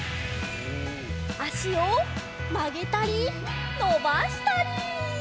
あしをまげたりのばしたり！